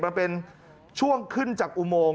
มันเป็นช่วงขึ้นจากอุโมง